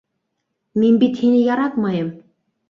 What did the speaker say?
- Мин бит һине яратмайым!